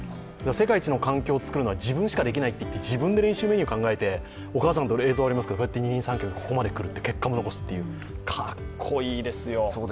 世界一の環境を作るのは自分しかできないといって、自分で練習メニューを作ってお母さんとの映像ありますけど、二人三脚でここまで結果を残すというかっこいいですよ。